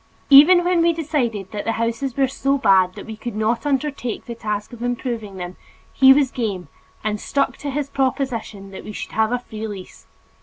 Even when we decided that the houses were so bad that we could not undertake the task of improving them, he was game and stuck to his proposition that we should have a free lease.